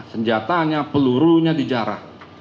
senjatanya pelurunya dijara